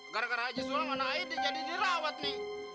gara gara haji sulang anak kaya jadi dirawat nih